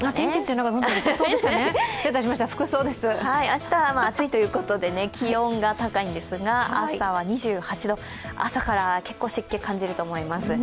明日は暑いということで気温が高いんですが朝は２８度、朝から結構湿気を感じると思います。